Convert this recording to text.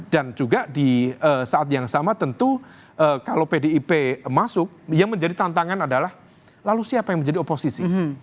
dan juga di saat yang sama tentu kalau pdip masuk yang menjadi tantangan adalah lalu siapa yang menjadi oposisi